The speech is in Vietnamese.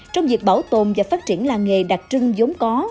trong việc bảo tồn và phát triển làng nghề đặc trưng giống có